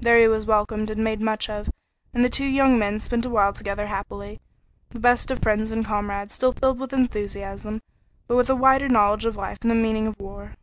There he was welcomed and made much of, and the two young men spent a while together happily, the best of friends and comrades, still filled with enthusiasm, but with a wider knowledge of life and the meaning of war.